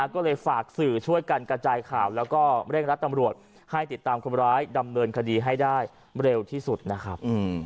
ก็เลยฝากสื่อช่วยกันกระจายข่าวแล้วก็เร่งรัดตำรวจให้ติดตามคนร้ายดำเนินคดีให้ได้เร็วที่สุดนะครับ